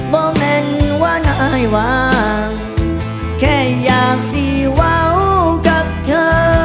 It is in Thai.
่แม่นว่านายวางแค่อยากสี่เว้ากับเธอ